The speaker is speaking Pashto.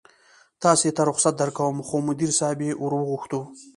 تاسې ته رخصت درکوم، خو مدیر صاحبې ور وغوښتو.